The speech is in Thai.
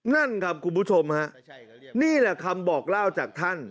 นั่นครับคุณผู้ชมฮะนี่แหละคำบอกเล่าจากท่าน